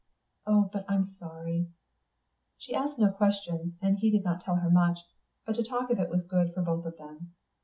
Oh, but I'm sorry." She asked no questions, and he did not tell her much. But to talk of it was good for both of them.